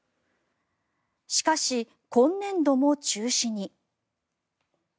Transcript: しかし、今年度も中止に。